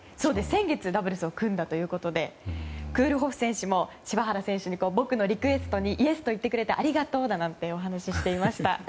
先月ダブルスを組んだということでクールホフ選手も柴原選手に僕のリクエストにイエスと言ってくれてありがとうとお話をしていました。